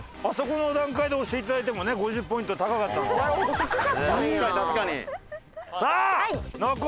あそこの段階で押していただいてもね５０ポイント高かったんですけど。